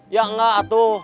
ya enggak atuh